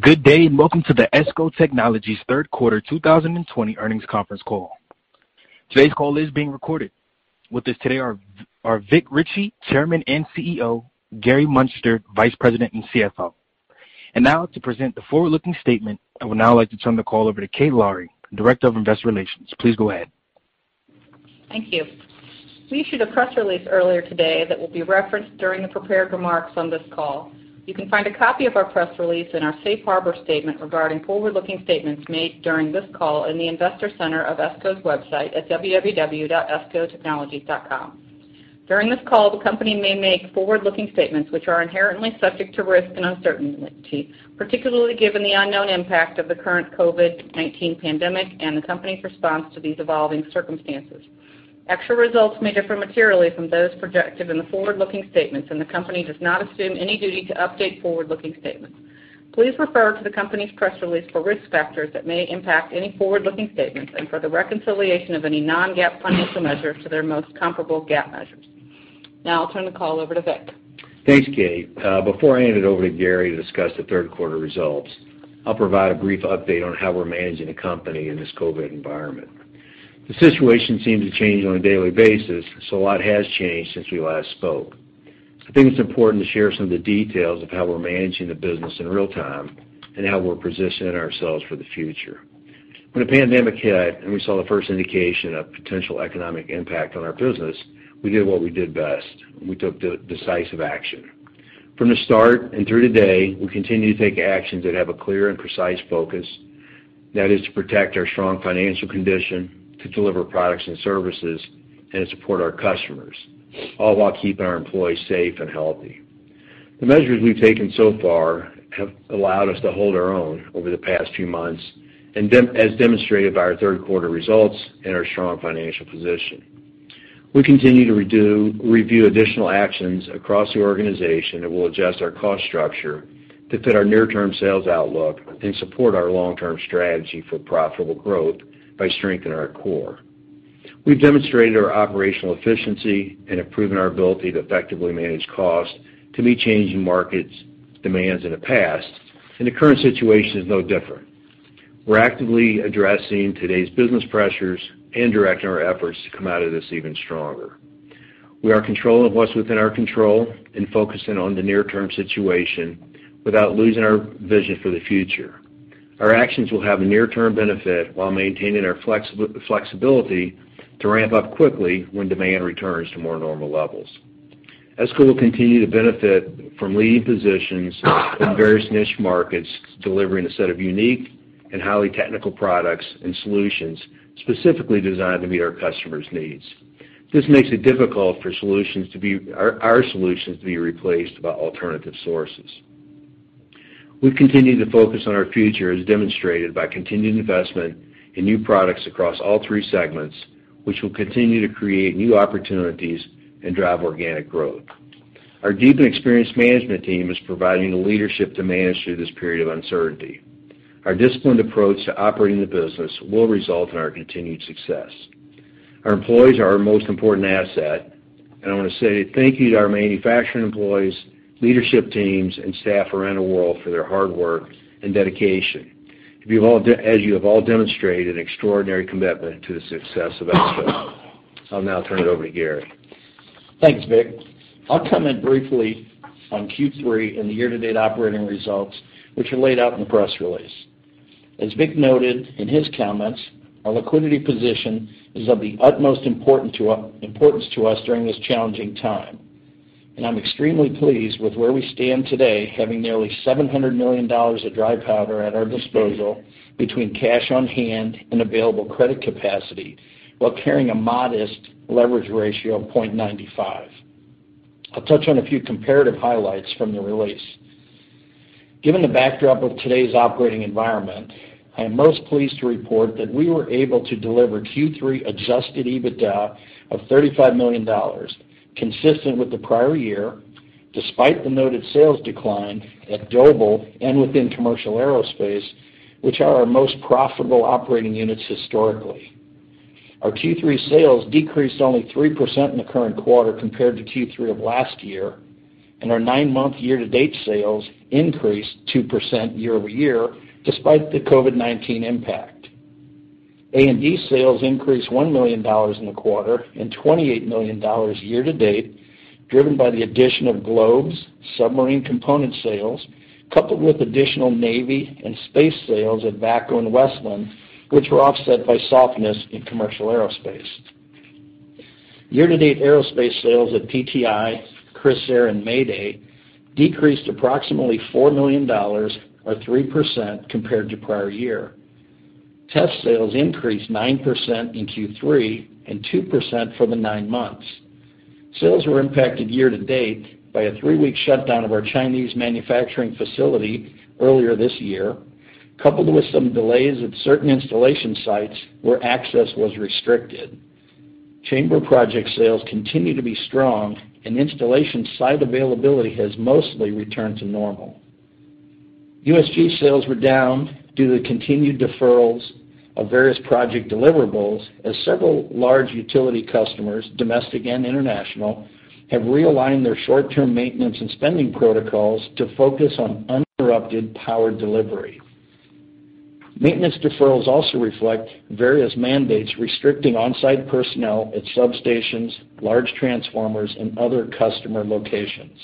Good day and welcome to the ESCO Technologies Third Quarter 2020 Earnings Conference Call. Today's call is being recorded. With us today are Vic Richey, Chairman and CEO, Gary Muenster, Vice President and CFO. Now to present the forward-looking statement, I would now like to turn the call over to Kate Lowrey, Director of Investor Relations. Please go ahead. Thank you. We issued a press release earlier today that will be referenced during the prepared remarks on this call. You can find a copy of our press release in our Safe Harbor statement regarding forward-looking statements made during this call in the Investor Center of ESCO's website at www.escotechnologies.com. During this call, the company may make forward-looking statements which are inherently subject to risk and uncertainty, particularly given the unknown impact of the current COVID-19 pandemic and the company's response to these evolving circumstances. Actual results may differ materially from those projected in the forward-looking statements, and the company does not assume any duty to update forward-looking statements. Please refer to the company's press release for risk factors that may impact any forward-looking statements and for the reconciliation of any non-GAAP financial measures to their most comparable GAAP measures. Now I'll turn the call over to Vic. Thanks, Kate. Before I hand it over to Gary to discuss the third quarter results, I'll provide a brief update on how we're managing the company in this COVID environment. The situation seems to change on a daily basis, so a lot has changed since we last spoke. I think it's important to share some of the details of how we're managing the business in real time and how we're positioning ourselves for the future. When the pandemic hit and we saw the first indication of potential economic impact on our business, we did what we did best. We took decisive action. From the start and through today, we continue to take actions that have a clear and precise focus. That is to protect our strong financial condition, to deliver products and services, and to support our customers, all while keeping our employees safe and healthy. The measures we've taken so far have allowed us to hold our own over the past few months, as demonstrated by our third quarter results and our strong financial position. We continue to review additional actions across the organization that will adjust our cost structure to fit our near-term sales outlook and support our long-term strategy for profitable growth by strengthening our core. We've demonstrated our operational efficiency and improved our ability to effectively manage cost to meet changing market demands in the past, and the current situation is no different. We're actively addressing today's business pressures and directing our efforts to come out of this even stronger. We are controlling what's within our control and focusing on the near-term situation without losing our vision for the future. Our actions will have a near-term benefit while maintaining our flexibility to ramp up quickly when demand returns to more normal levels. ESCO will continue to benefit from leading positions in various niche markets delivering a set of unique and highly technical products and solutions specifically designed to meet our customers' needs. This makes it difficult for our solutions to be replaced by alternative sources. We continue to focus on our future, as demonstrated by continued investment in new products across all three segments, which will continue to create new opportunities and drive organic growth. Our deep and experienced management team is providing the leadership to manage through this period of uncertainty. Our disciplined approach to operating the business will result in our continued success. Our employees are our most important asset, and I want to say thank you to our manufacturing employees, leadership teams, and staff around the world for their hard work and dedication, as you have all demonstrated extraordinary commitment to the success of ESCO. I'll now turn it over to Gary. Thanks, Vic. I'll comment briefly on Q3 and the year-to-date operating results, which are laid out in the press release. As Vic noted in his comments, our liquidity position is of the utmost importance to us during this challenging time, and I'm extremely pleased with where we stand today, having nearly $700 million of dry powder at our disposal between cash on hand and available credit capacity while carrying a modest leverage ratio of 0.95. I'll touch on a few comparative highlights from the release. Given the backdrop of today's operating environment, I am most pleased to report that we were able to deliver Q3 Adjusted EBITDA of $35 million, consistent with the prior year, despite the noted sales decline at Doble and within commercial aerospace, which are our most profitable operating units historically. Our Q3 sales decreased only 3% in the current quarter compared to Q3 of last year, and our nine-month year-to-date sales increased 2% year over year despite the COVID-19 impact. A&D sales increased $1 million in the quarter and $28 million year to date, driven by the addition of Globe's submarine component sales, coupled with additional Navy and space sales at VACCO and Westland, which were offset by softness in commercial aerospace. Year-to-date aerospace sales at PTI, Crissair, and Mayday decreased approximately $4 million or 3% compared to prior year. Test sales increased 9% in Q3 and 2% for the nine months. Sales were impacted year to date by a three-week shutdown of our Chinese manufacturing facility earlier this year, coupled with some delays at certain installation sites where access was restricted. Chamber project sales continue to be strong, and installation site availability has mostly returned to normal. USG sales were down due to the continued deferrals of various project deliverables, as several large utility customers, domestic and international, have realigned their short-term maintenance and spending protocols to focus on uninterrupted power delivery. Maintenance deferrals also reflect various mandates restricting on-site personnel at substations, large transformers, and other customer locations.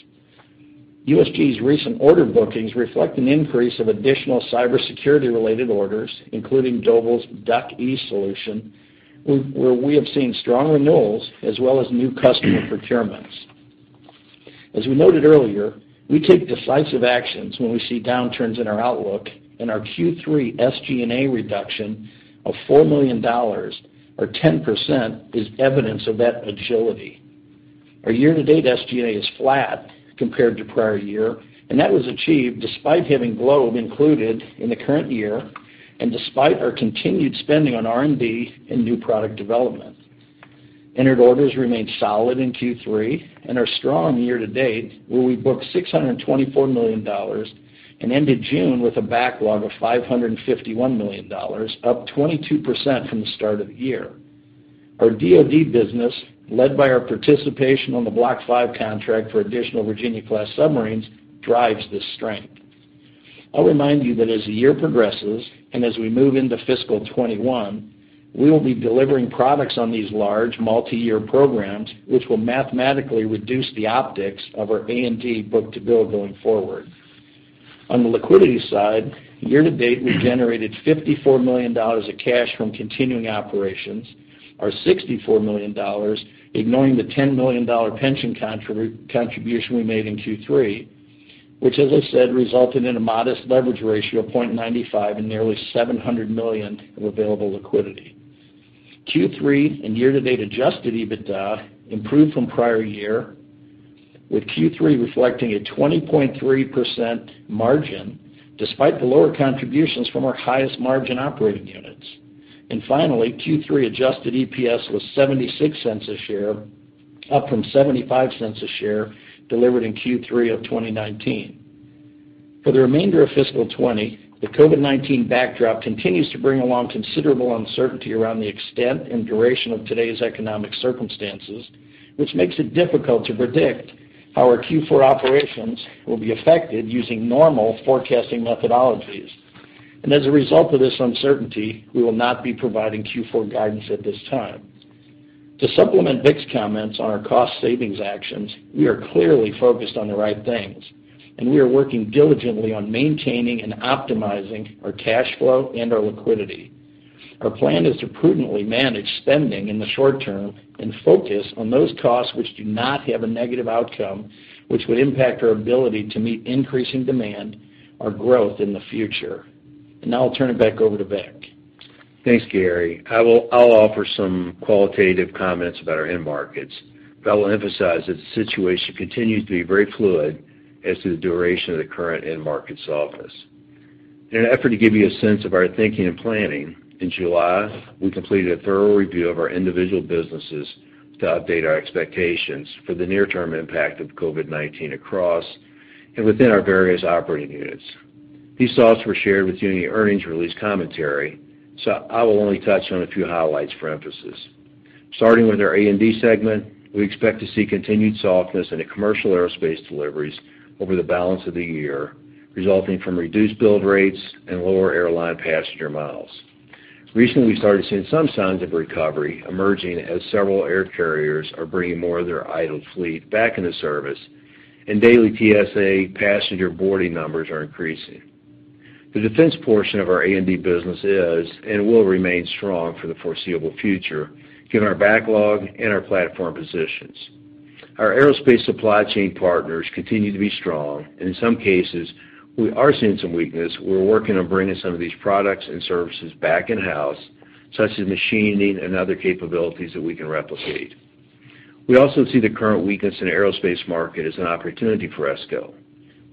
USG's recent order bookings reflect an increase of additional cybersecurity-related orders, including Doble's DUCe solution, where we have seen strong renewals as well as new customer procurements. As we noted earlier, we take decisive actions when we see downturns in our outlook, and our Q3 SG&A reduction of $4 million or 10% is evidence of that agility. Our year-to-date SG&A is flat compared to prior year, and that was achieved despite having Globe included in the current year and despite our continued spending on R&D and new product development. Entered orders remain solid in Q3 and are strong year to date, where we booked $624 million and ended June with a backlog of $551 million, up 22% from the start of the year. Our DoD business, led by our participation on the Block V contract for additional Virginia-class submarines, drives this strength. I'll remind you that as the year progresses and as we move into fiscal 2021, we will be delivering products on these large multi-year programs, which will mathematically reduce the optics of our A&D book-to-bill going forward. On the liquidity side, year to date, we generated $54 million of cash from continuing operations, our $64 million ignoring the $10 million pension contribution we made in Q3, which, as I said, resulted in a modest leverage ratio of 0.95 and nearly $700 million of available liquidity. Q3 and year-to-date adjusted EBITDA improved from prior year, with Q3 reflecting a 20.3% margin despite the lower contributions from our highest margin operating units. And finally, Q3 adjusted EPS was $0.76 a share, up from $0.75 a share delivered in Q3 of 2019. For the remainder of fiscal 2020, the COVID-19 backdrop continues to bring along considerable uncertainty around the extent and duration of today's economic circumstances, which makes it difficult to predict how our Q4 operations will be affected using normal forecasting methodologies. And as a result of this uncertainty, we will not be providing Q4 guidance at this time. To supplement Vic's comments on our cost-savings actions, we are clearly focused on the right things, and we are working diligently on maintaining and optimizing our cash flow and our liquidity. Our plan is to prudently manage spending in the short term and focus on those costs which do not have a negative outcome, which would impact our ability to meet increasing demand or growth in the future. Now I'll turn it back over to Vic. Thanks, Gary. I'll offer some qualitative comments about our end markets, but I will emphasize that the situation continues to be very fluid as to the duration of the current end-market softness. In an effort to give you a sense of our thinking and planning, in July, we completed a thorough review of our individual businesses to update our expectations for the near-term impact of COVID-19 across and within our various operating units. These thoughts were shared with you in the earnings release commentary, so I will only touch on a few highlights for emphasis. Starting with our A&D segment, we expect to see continued softness in the commercial aerospace deliveries over the balance of the year, resulting from reduced build rates and lower airline passenger miles. Recently, we started seeing some signs of recovery emerging as several air carriers are bringing more of their idle fleet back into service, and daily TSA passenger boarding numbers are increasing. The defense portion of our A&D business is and will remain strong for the foreseeable future, given our backlog and our platform positions. Our aerospace supply chain partners continue to be strong, and in some cases, we are seeing some weakness. We're working on bringing some of these products and services back in-house, such as machining and other capabilities that we can replicate. We also see the current weakness in the aerospace market as an opportunity for ESCO.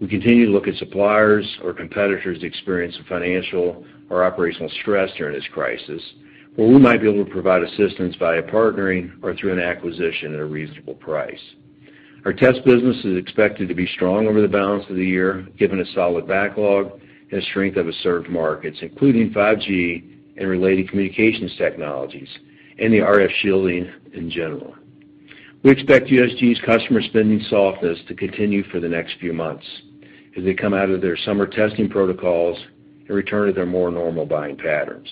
We continue to look at suppliers or competitors to experience financial or operational stress during this crisis, where we might be able to provide assistance via partnering or through an acquisition at a reasonable price. Our test business is expected to be strong over the balance of the year, given a solid backlog and the strength of the served markets, including 5G and related communications technologies and the RF shielding in general. We expect USG's customer spending softness to continue for the next few months as they come out of their summer testing protocols and return to their more normal buying patterns.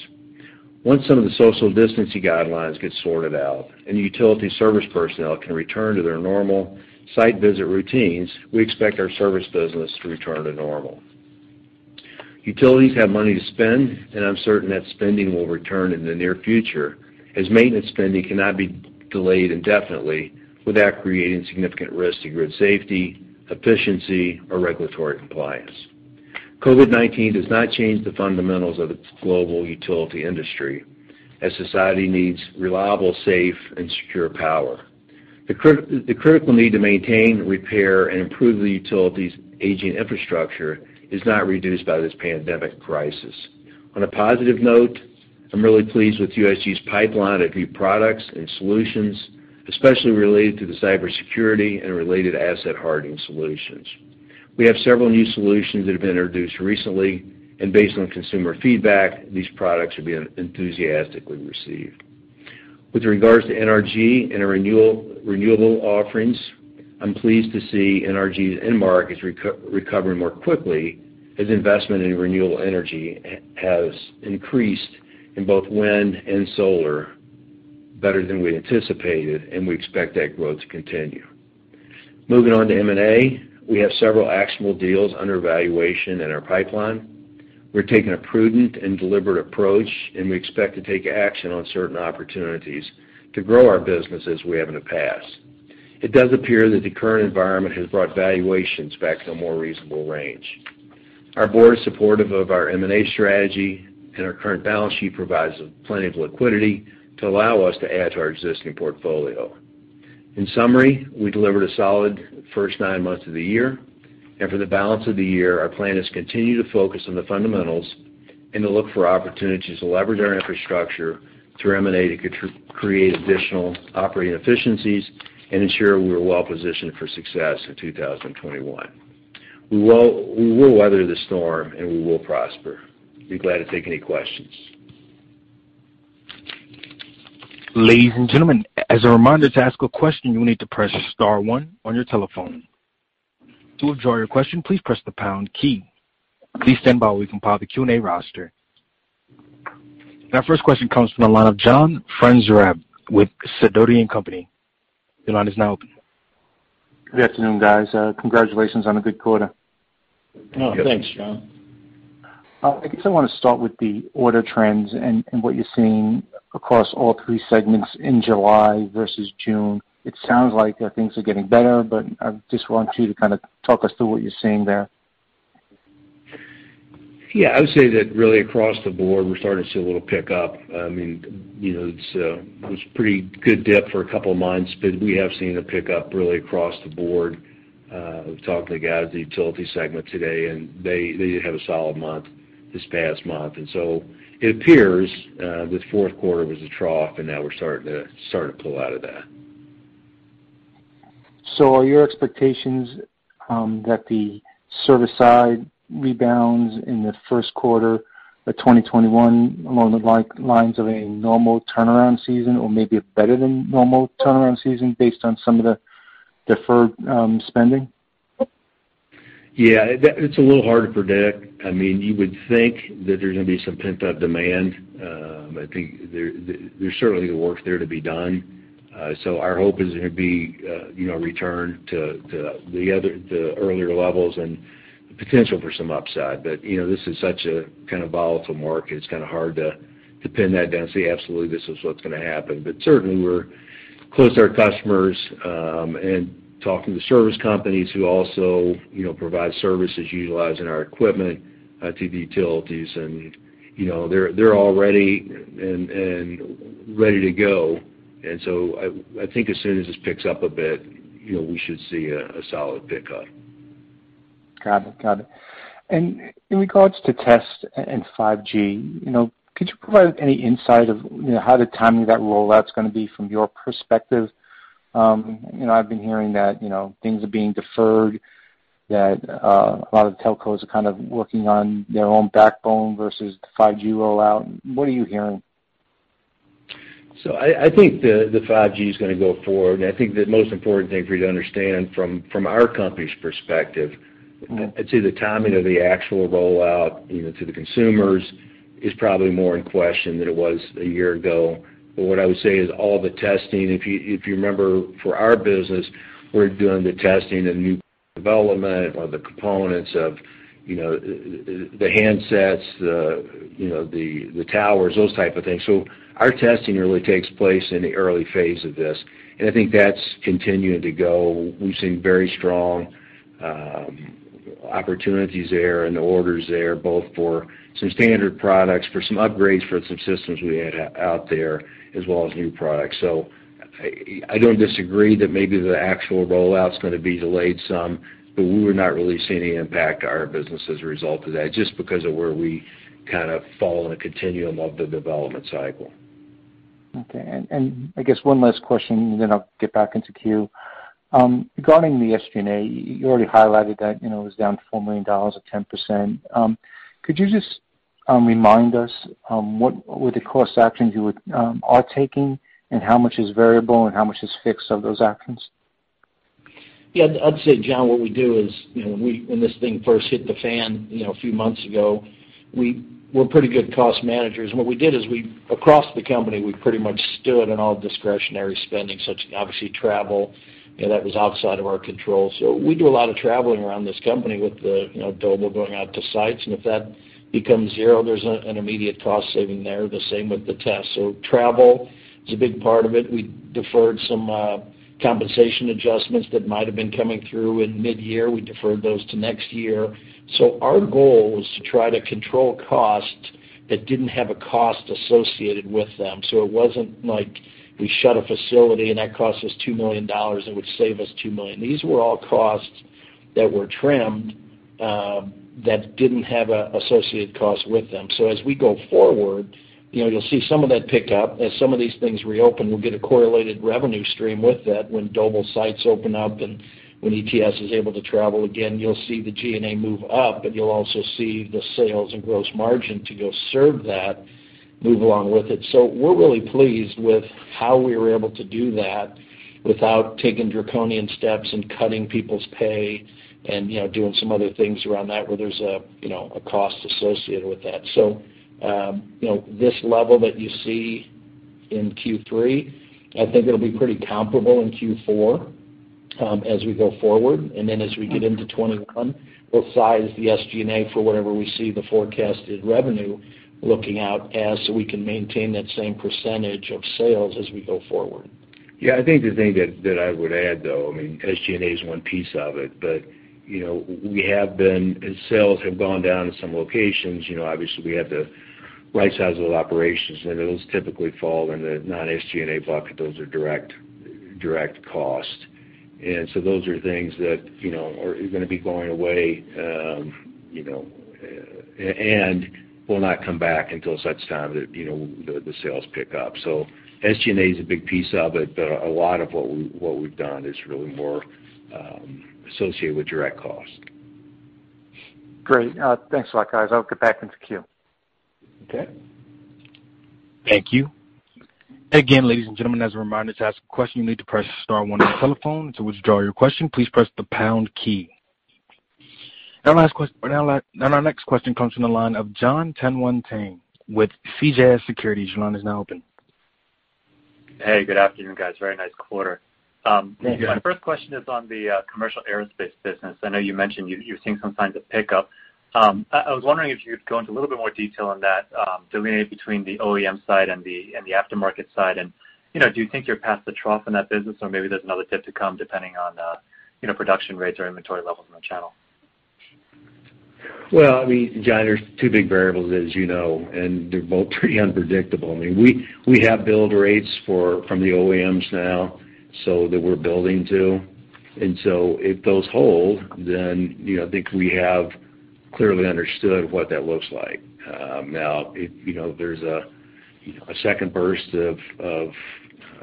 Once some of the social distancing guidelines get sorted out and the utility service personnel can return to their normal site visit routines, we expect our service business to return to normal. Utilities have money to spend, and I'm certain that spending will return in the near future, as maintenance spending cannot be delayed indefinitely without creating significant risk to grid safety, efficiency, or regulatory compliance. COVID-19 does not change the fundamentals of the global utility industry, as society needs reliable, safe, and secure power. The critical need to maintain, repair, and improve the utility's aging infrastructure is not reduced by this pandemic crisis. On a positive note, I'm really pleased with USG's pipeline of new products and solutions, especially related to the cybersecurity and related asset hardening solutions. We have several new solutions that have been introduced recently, and based on consumer feedback, these products are being enthusiastically received. With regards to NRG and our renewable offerings, I'm pleased to see NRG's end markets recovering more quickly, as investment in renewable energy has increased in both wind and solar better than we anticipated, and we expect that growth to continue. Moving on to M&A, we have several actionable deals under evaluation in our pipeline. We're taking a prudent and deliberate approach, and we expect to take action on certain opportunities to grow our business as we have in the past. It does appear that the current environment has brought valuations back to a more reasonable range. Our board is supportive of our M&A strategy, and our current balance sheet provides plenty of liquidity to allow us to add to our existing portfolio. In summary, we delivered a solid first nine months of the year, and for the balance of the year, our plan is to continue to focus on the fundamentals and to look for opportunities to leverage our infrastructure through M&A to create additional operating efficiencies and ensure we are well positioned for success in 2021. We will weather the storm, and we will prosper. Be glad to take any questions. Ladies and gentlemen, as a reminder to ask a question, you will need to press star one on your telephone. To withdraw your question, please press the pound key. Please stand by while we compile the Q&A roster. Now, first question comes from the line of John Franzreb with Sidoti & Company. The line is now open. Good afternoon, guys. Congratulations on a good quarter. Thanks, John. I guess I want to start with the order trends and what you're seeing across all three segments in July versus June. It sounds like things are getting better, but I just want you to kind of talk us through what you're seeing there. Yeah, I would say that really across the board, we're starting to see a little pickup. I mean, it was a pretty good dip for a couple of months, but we have seen a pickup really across the board. I was talking to the guys at the utility segment today, and they did have a solid month this past month. And so it appears this fourth quarter was a trough, and now we're starting to pull out of that. Are your expectations that the service side rebounds in the first quarter of 2021 along the lines of a normal turnaround season or maybe a better-than-normal turnaround season based on some of the deferred spending? Yeah, it's a little hard to predict. I mean, you would think that there's going to be some pent-up demand. I think there's certainly work there to be done. So our hope is there's going to be a return to the earlier levels and potential for some upside. But this is such a kind of volatile market, it's kind of hard to pin that down and say, "Absolutely, this is what's going to happen." But certainly, we're close to our customers and talking to service companies who also provide services utilizing our equipment to the utilities. And they're all ready and ready to go. And so I think as soon as this picks up a bit, we should see a solid pickup. Got it. Got it. And in regards to test and 5G, could you provide any insight of how the timing of that rollout's going to be from your perspective? I've been hearing that things are being deferred, that a lot of the telcos are kind of working on their own backbone versus the 5G rollout. What are you hearing? So I think the 5G is going to go forward. And I think the most important thing for you to understand from our company's perspective, I'd say the timing of the actual rollout to the consumers is probably more in question than it was a year ago. But what I would say is all the testing if you remember, for our business, we're doing the testing of new development or the components of the handsets, the towers, those type of things. So our testing really takes place in the early phase of this, and I think that's continuing to go. We've seen very strong opportunities there and orders there, both for some standard products, for some upgrades for some systems we had out there, as well as new products. So I don't disagree that maybe the actual rollout's going to be delayed some, but we were not really seeing any impact to our business as a result of that, just because of where we kind of fall on a continuum of the development cycle. Okay. And I guess one last question, and then I'll get back into queue. Regarding the SG&A, you already highlighted that it was down $4 million or 10%. Could you just remind us what the cost actions you are taking and how much is variable and how much is fixed of those actions? Yeah, I'd say, John, what we do is when this thing first hit the fan a few months ago, we're pretty good cost managers. And what we did is, across the company, we pretty much stood on all discretionary spending, such as obviously travel. That was outside of our control. So we do a lot of traveling around this company with the Doble going out to sites. And if that becomes zero, there's an immediate cost saving there, the same with the test. So travel is a big part of it. We deferred some compensation adjustments that might have been coming through in mid-year. We deferred those to next year. So our goal was to try to control costs that didn't have a cost associated with them. So it wasn't like we shut a facility, and that cost us $2 million. It would save us $2 million. These were all costs that were trimmed that didn't have an associated cost with them. So as we go forward, you'll see some of that pickup. As some of these things reopen, we'll get a correlated revenue stream with that. When Doble sites open up and when ETS is able to travel again, you'll see the G&A move up, but you'll also see the sales and gross margin to go serve that move along with it. So we're really pleased with how we were able to do that without taking draconian steps and cutting people's pay and doing some other things around that where there's a cost associated with that. So this level that you see in Q3, I think it'll be pretty comparable in Q4 as we go forward. Then as we get into 2021, we'll size the SG&A for whatever we see the forecasted revenue looking out as so we can maintain that same percentage of sales as we go forward. Yeah, I think there's anything that I would add, though. I mean, SG&A is one piece of it, but we have been sales have gone down in some locations. Obviously, we have to right-size a little operations, and those typically fall in the non-SG&A bucket. Those are direct costs. So those are things that are going to be going away and will not come back until such time that the sales pick up. So SG&A is a big piece of it, but a lot of what we've done is really more associated with direct cost. Great. Thanks a lot, guys. I'll get back into queue. Okay. Thank you. And again, ladies and gentlemen, as a reminder to ask a question, you need to press star one on the telephone. To withdraw your question, please press the pound key. And our last question or now our next question comes from the line of Jon Tanwanteng with CJS Securities. Your line is now open. Hey, good afternoon, guys. Very nice quarter. My first question is on the commercial aerospace business. I know you mentioned you're seeing some signs of pickup. I was wondering if you could go into a little bit more detail on that, delineate between the OEM side and the aftermarket side. And do you think you're past the trough in that business, or maybe there's another dip to come depending on production rates or inventory levels in the channel? Well, I mean, Jon, there's two big variables, as you know, and they're both pretty unpredictable. I mean, we have build rates from the OEMs now so that we're building too. And so if those hold, then I think we have clearly understood what that looks like. Now, if there's a second burst of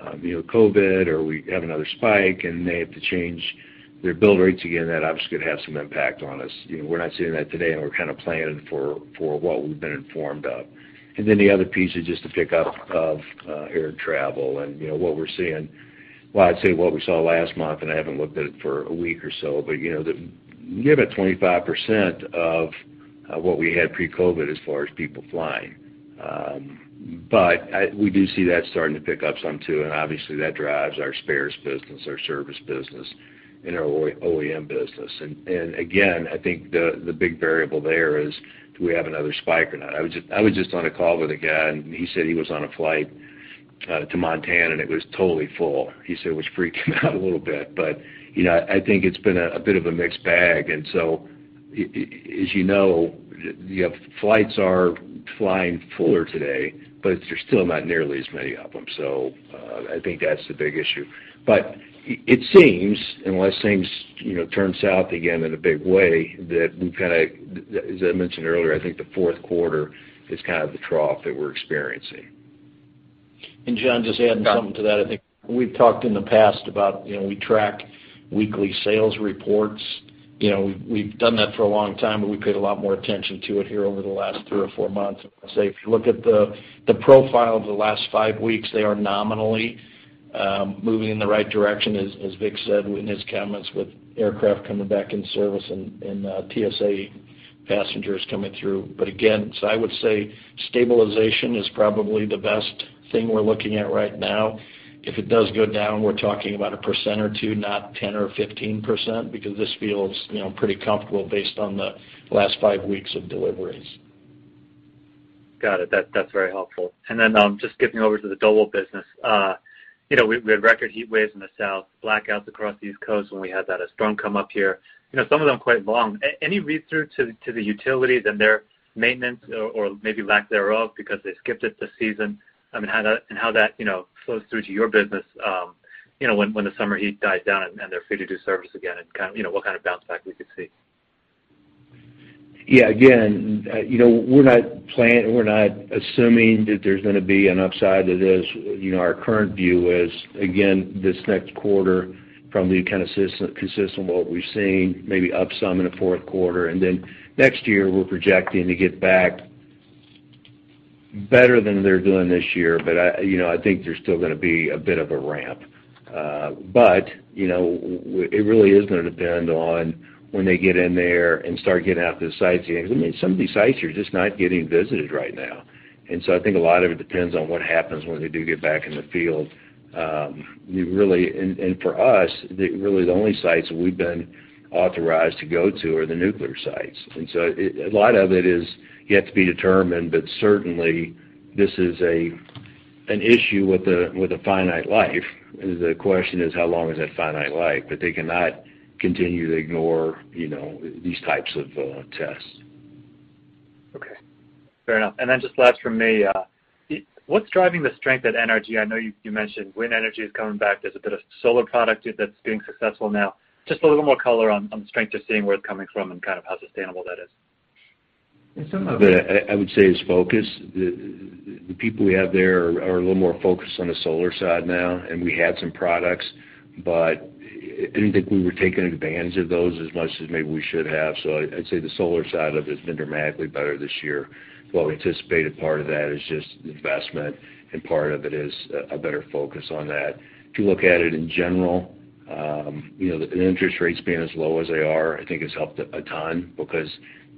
COVID or we have another spike and they have to change their build rates again, that obviously could have some impact on us. We're not seeing that today, and we're kind of planning for what we've been informed of. And then the other piece is just the pickup of air travel and what we're seeing, well, I'd say what we saw last month, and I haven't looked at it for a week or so, but give it 25% of what we had pre-COVID as far as people flying. But we do see that starting to pick up some too, and obviously, that drives our spares business, our service business, and our OEM business. And again, I think the big variable there is do we have another spike or not. I was just on a call with a guy, and he said he was on a flight to Montana, and it was totally full. He said it was freaking out a little bit. But I think it's been a bit of a mixed bag. And so, as you know, flights are flying fuller today, but there's still not nearly as many of them. So I think that's the big issue. But it seems, unless things turn south again in a big way, that we've kind of as I mentioned earlier, I think the fourth quarter is kind of the trough that we're experiencing. Jon, just adding something to that, I think we've talked in the past about we track weekly sales reports. We've done that for a long time, but we paid a lot more attention to it here over the last three or four months. I'd say if you look at the profile of the last five weeks, they are nominally moving in the right direction, as Vic said in his comments, with aircraft coming back in service and TSA passengers coming through. But again, so I would say stabilization is probably the best thing we're looking at right now. If it does go down, we're talking about 1% or 2%, not 10% or 15%, because this feels pretty comfortable based on the last five weeks of deliveries. Got it. That's very helpful. And then just skipping over to the Doble business, we had record heat waves in the South, blackouts across the East Coast when we had that, a storm come up here, some of them quite long. Any read-through to the utilities and their maintenance or maybe lack thereof because they skipped it this season? I mean, and how that flows through to your business when the summer heat dies down and they're free to do service again, and kind of what kind of bounce back we could see? Yeah, again, we're not assuming that there's going to be an upside to this. Our current view is, again, this next quarter, probably kind of consistent with what we've seen, maybe up some in the fourth quarter. And then next year, we're projecting to get back better than they're doing this year, but I think there's still going to be a bit of a ramp. But it really is going to depend on when they get in there and start getting out to the sites again, because some of these sites are just not getting visited right now. And so I think a lot of it depends on what happens when they do get back in the field. And for us, really, the only sites we've been authorized to go to are the nuclear sites. And so a lot of it is yet to be determined, but certainly, this is an issue with a finite life. The question is, how long is that finite life? But they cannot continue to ignore these types of tests. Okay. Fair enough. And then just last from me, what's driving the strength at NRG? I know you mentioned wind energy is coming back. There's a bit of solar product that's being successful now. Just a little more color on the strength you're seeing, where it's coming from, and kind of how sustainable that is. Some of it, I would say, is focus. The people we have there are a little more focused on the solar side now, and we had some products, but I didn't think we were taking advantage of those as much as maybe we should have. So I'd say the solar side of it has been dramatically better this year. What we anticipated, part of that is just investment, and part of it is a better focus on that. If you look at it in general, the interest rates being as low as they are, I think has helped a ton because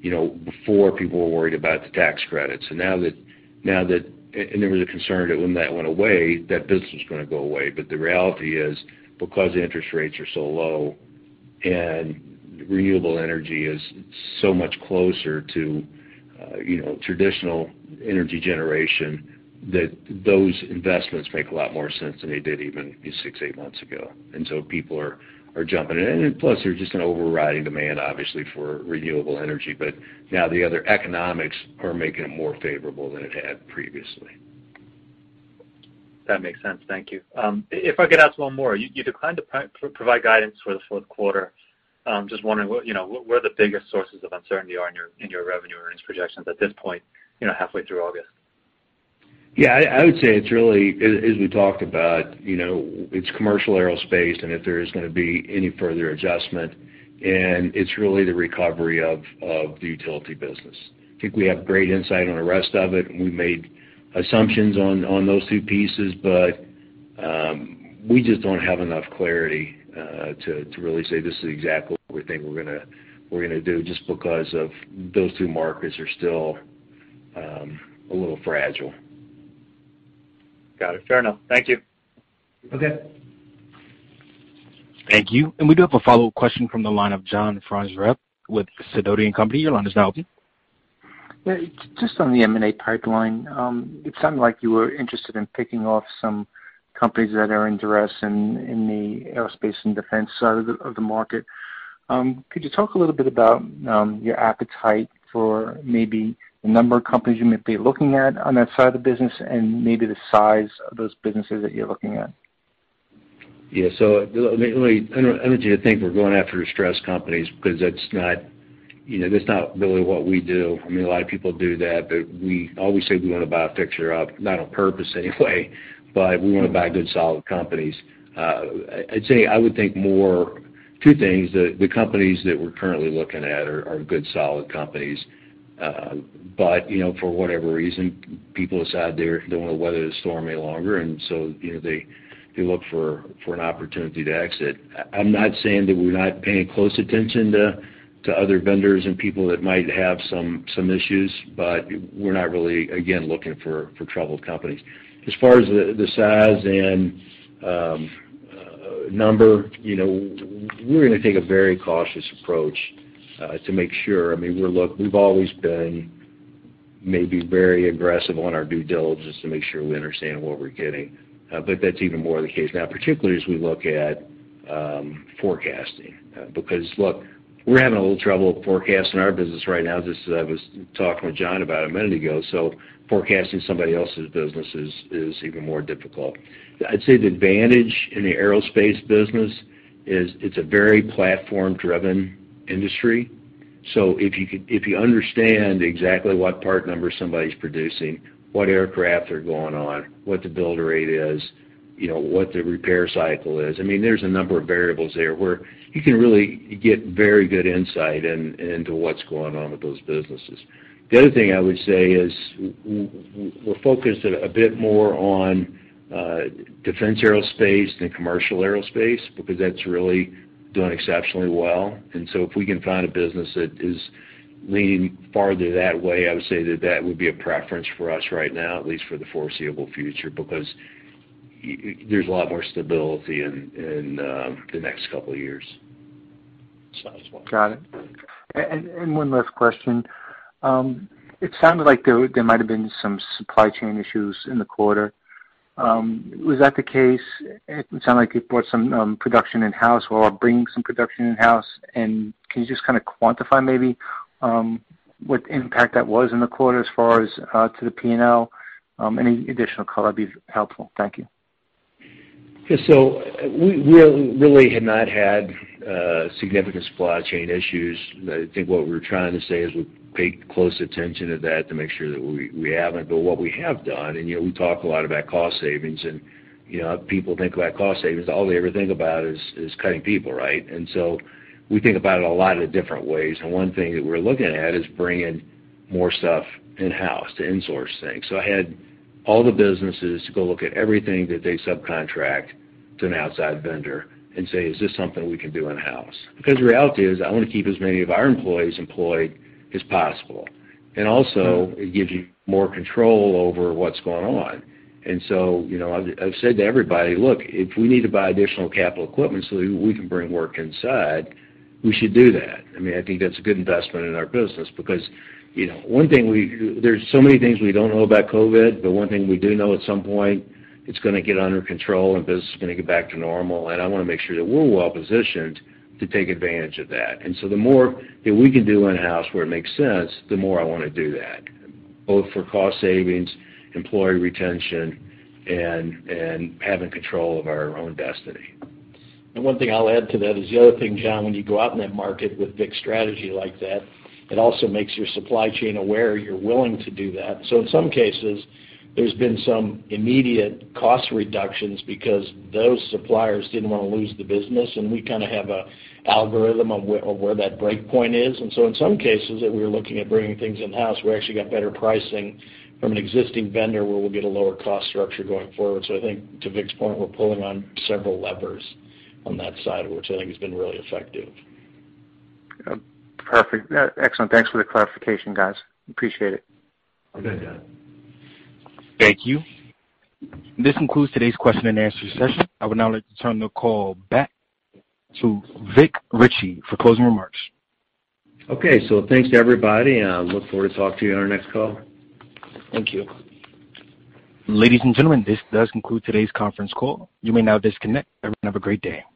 before, people were worried about the tax credits. And now that and there was a concern that when that went away, that business was going to go away. But the reality is, because interest rates are so low and renewable energy is so much closer to traditional energy generation, that those investments make a lot more sense than they did even six to eight months ago. And so people are jumping in. And plus, there's just an overriding demand, obviously, for renewable energy. But now, the other economics are making it more favorable than it had previously. That makes sense. Thank you. If I could ask one more, you declined to provide guidance for the fourth quarter. Just wondering where the biggest sources of uncertainty are in your revenue earnings projections at this point, halfway through August. Yeah, I would say it's really, as we talked about, it's commercial aerospace and if there is going to be any further adjustment. It's really the recovery of the utility business. I think we have great insight on the rest of it. We made assumptions on those two pieces, but we just don't have enough clarity to really say, "This is exactly what we think we're going to do," just because of those two markets are still a little fragile. Got it. Fair enough. Thank you. Okay. Thank you. We do have a follow-up question from the line of Jon Fransreb with Sidoti & Company. Your line is now open. Yeah, just on the M&A pipeline, it sounded like you were interested in picking off some companies that are interested in the aerospace and defense side of the market. Could you talk a little bit about your appetite for maybe the number of companies you might be looking at on that side of the business and maybe the size of those businesses that you're looking at? Yeah, so I don't want you to think we're going after distressed companies because that's not really what we do. I mean, a lot of people do that, but we always say we want to buy a fixer-up, not on purpose anyway, but we want to buy good, solid companies. I'd say I would think more two things. The companies that we're currently looking at are good, solid companies. But for whatever reason, people decide they don't want to weather the storm any longer, and so they look for an opportunity to exit. I'm not saying that we're not paying close attention to other vendors and people that might have some issues, but we're not really, again, looking for troubled companies. As far as the size and number, we're going to take a very cautious approach to make sure. I mean, we've always been maybe very aggressive on our due diligence to make sure we understand what we're getting, but that's even more the case now, particularly as we look at forecasting. Because, look, we're having a little trouble forecasting our business right now. This is what I was talking with John about a minute ago. So forecasting somebody else's business is even more difficult. I'd say the advantage in the aerospace business is it's a very platform-driven industry. So if you understand exactly what part number somebody's producing, what aircraft are going on, what the build rate is, what the repair cycle is, I mean, there's a number of variables there where you can really get very good insight into what's going on with those businesses. The other thing I would say is we're focused a bit more on defense aerospace than commercial aerospace because that's really doing exceptionally well. And so if we can find a business that is leaning farther that way, I would say that that would be a preference for us right now, at least for the foreseeable future, because there's a lot more stability in the next couple of years. Got it. And one last question. It sounded like there might have been some supply chain issues in the quarter. Was that the case? It sounded like you bought some production in-house or are bringing some production in-house. And can you just kind of quantify maybe what impact that was in the quarter as far as to the P&L? Any additional color would be helpful. Thank you. Yeah, so we really have not had significant supply chain issues. I think what we were trying to say is we paid close attention to that to make sure that we haven't. But what we have done, and we talk a lot about cost savings, and people think about cost savings. All they ever think about is cutting people, right? And so we think about it a lot in different ways. And one thing that we're looking at is bringing more stuff in-house to insource things. So I had all the businesses go look at everything that they subcontract to an outside vendor and say, "Is this something we can do in-house?" Because the reality is I want to keep as many of our employees employed as possible. And also, it gives you more control over what's going on. And so I've said to everybody, "Look, if we need to buy additional capital equipment so that we can bring work inside, we should do that." I mean, I think that's a good investment in our business because one thing we know, there's so many things we don't know about COVID, but one thing we do know at some point, it's going to get under control and business is going to get back to normal. And I want to make sure that we're well positioned to take advantage of that. And so the more that we can do in-house where it makes sense, the more I want to do that, both for cost savings, employee retention, and having control of our own destiny. One thing I'll add to that is the other thing, John, when you go out in that market with big strategy like that, it also makes your supply chain aware you're willing to do that. In some cases, there's been some immediate cost reductions because those suppliers didn't want to lose the business, and we kind of have an algorithm of where that breakpoint is. In some cases that we were looking at bringing things in-house, we actually got better pricing from an existing vendor where we'll get a lower cost structure going forward. I think, to Vic's point, we're pulling on several levers on that side, which I think has been really effective. Perfect. Excellent. Thanks for the clarification, guys. Appreciate it. I'm good, John. Thank you. This concludes today's question and answer session. I would now like to turn the call back to Vic Richey for closing remarks. Okay, so thanks to everybody. Look forward to talking to you on our next call. Thank you. Ladies and gentlemen, this does conclude today's conference call. You may now disconnect. Everyone have a great day.